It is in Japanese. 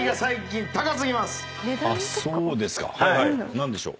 何でしょう？